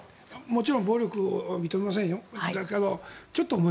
もちろん、暴力は認めませんよ。